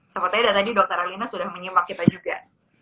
sepertinya tadi dr erlina sudah menyimak kita juga